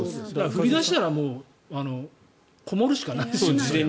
降り出したらこもるしかないですね。